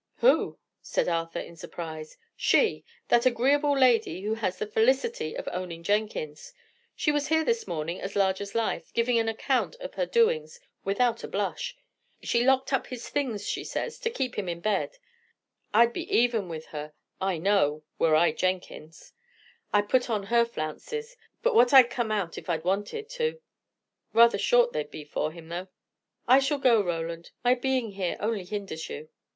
"Who?" said Arthur, in surprise. "She. That agreeable lady who has the felicity of owning Jenkins. She was here this morning as large as life, giving an account of her doings, without a blush. She locked up his things, she says, to keep him in bed. I'd be even with her, I know, were I Jenkins. I'd put on her flounces, but what I'd come out, if I wanted to. Rather short they'd be for him, though." "I shall go, Roland. My being here only hinders you."